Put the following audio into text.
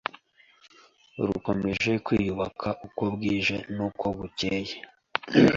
rukomeje kwiyubaka uko bwije n’uko bucyeye